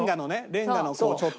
レンガのこうちょっと。